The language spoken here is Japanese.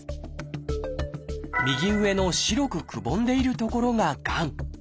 右上の白くくぼんでいる所ががん。